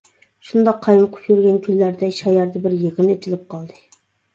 شۇنداق قايمۇقۇپ يۈرگەن كۈنلەردە شاياردا بىر يىغىن ئېچىلىپ قالدى.